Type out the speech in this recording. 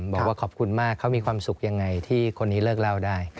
บอกว่าขอบคุณมากเขามีความสุขยังไงที่คนนี้เลิกเล่าได้